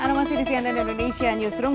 halo masi di sianet indonesia newsroom